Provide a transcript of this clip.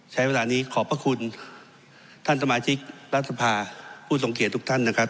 ใช้เวลานี้ขอบพระคุณท่านสมาชิกรัฐสภาผู้ทรงเกียจทุกท่านนะครับ